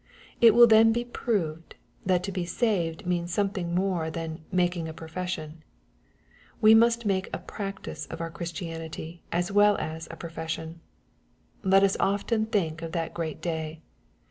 It will then be proved, that to be saved means something more than " making a profession." We must make a " practice" of our Christianity as well as a "profession." Let us often think of that great day.